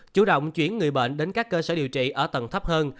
chủ động chuyển người bệnh đến các cơ sở điều trị ở tầng thấp hơn